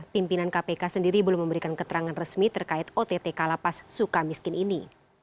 pimpinan kpk sendiri belum memberikan keterangan resmi terkait ott kalapas suka miskin ini